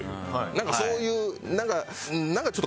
なんかそういうなんかちょっと。